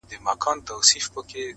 چي په خیال کي میکدې او خُمان وینم-